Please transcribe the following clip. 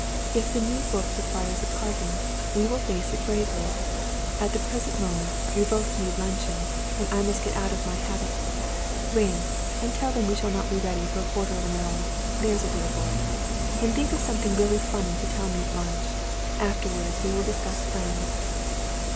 If the new book requires a parting, we will face it bravely. At the present moment we both need luncheon, and I must get out of my habit. Ring, and tell them we shall not be ready for a quarter of an hour, there's a dear boy! And think of something really funny to tell me at lunch. Afterwards we will discuss plans."